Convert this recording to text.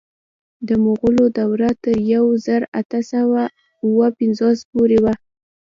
د مغولو دوره تر یو زر اته سوه اوه پنځوس پورې وه.